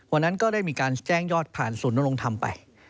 วันนั้นก็ได้มีการแจ้งยอดผ่านศูนย์นรงธรรมไป